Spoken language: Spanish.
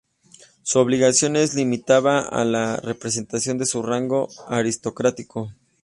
Su obligación se limitaba a la representación de su rango aristocrático.